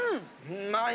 うまい！